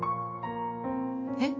えっ？